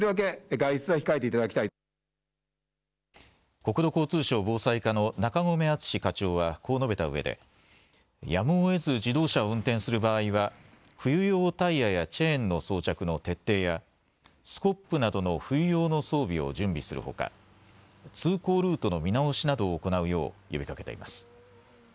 国土交通省防災課の中込淳課長はこう述べたうえでやむをえず自動車を運転する場合は冬用タイヤやチェーンの装着の徹底やスコップなどの冬用の装備を準備するほか通行ルートの見直しなどを行うよう呼びかけています。